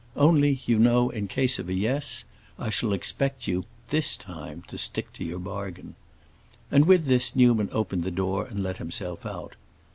Only, you know, in case of a yes I shall expect you, this time, to stick to your bargain." And with this Newman opened the door and let himself out.